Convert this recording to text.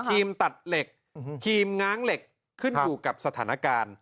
ตัดเหล็กทีมง้างเหล็กขึ้นอยู่กับสถานการณ์